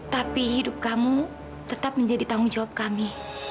tapi hidup kamu tetap menjadi tanggung jawab kami